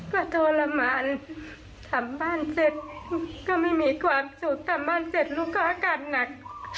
ก็ทรมานทำบ้านเสร็จก็ไม่มีความสุขทำบ้านเสร็จลูกค้าอาการหนัก